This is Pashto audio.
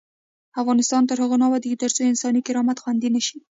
افغانستان تر هغو نه ابادیږي، ترڅو انساني کرامت خوندي نشي.